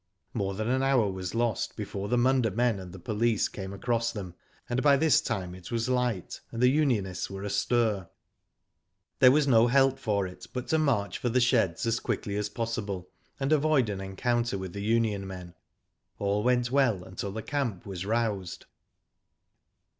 More than an hour was lost before the Munda men and the police came across them, and by this time it wa? light, and the unionists were astir. There was no help for it but to march for the sheds as quickly as possible, and avoid an encounter with the union men. All went well until the camp was roused.